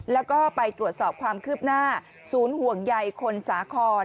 แล้วก็ไปตรวจสอบความคืบหน้าศูนย์ห่วงใยคนสาคร